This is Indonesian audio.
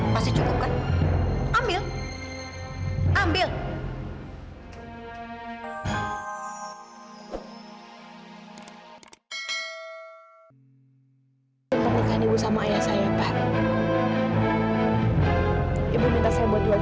masih cukup kan ambil ambil